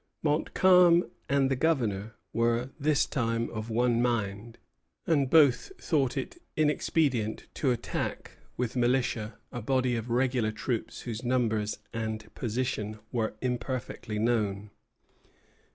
Montcalm and the Governor were this time of one mind, and both thought it inexpedient to attack, with militia, a body of regular troops whose numbers and position were imperfectly known.